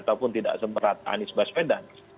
ataupun tidak semerata anies baspedan